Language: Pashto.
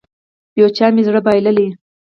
يو چا مې زړه بايللی.